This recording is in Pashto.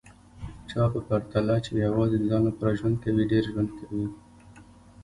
چا په پرتله چي یوازي د ځان لپاره ژوند کوي، ډېر ژوند کوي